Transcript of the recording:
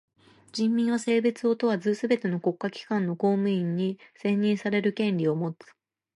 人民は性別を問わずすべての国家機関の公務員に選任される権利をもつ。